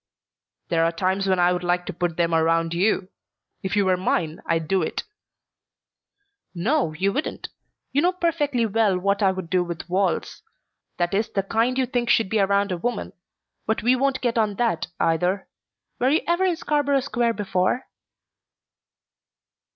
"There are times when I would like to put them around you! If you were mine I'd do it." "No, you wouldn't. You know perfectly well what I would do with walls. That is the kind you think should be around a woman. But we won't get on that, either. Were you ever in Scarborough Square before?"